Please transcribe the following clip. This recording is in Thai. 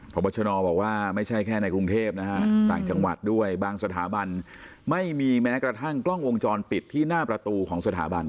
พบชนบอกว่าไม่ใช่แค่ในกรุงเทพนะฮะต่างจังหวัดด้วยบางสถาบันไม่มีแม้กระทั่งกล้องวงจรปิดที่หน้าประตูของสถาบัน